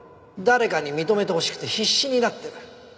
誰かに認めてほしくて必死になってる。